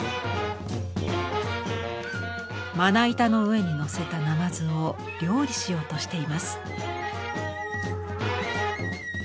まな板の上にのせた鯰を料理しようとしています。